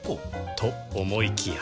と思いきや